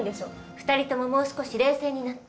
２人とももう少し冷静になって。